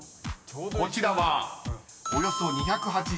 ［こちらはおよそ２８９万ｋｍ］